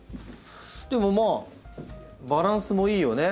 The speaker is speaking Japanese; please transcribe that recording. でもまあバランスもいいよね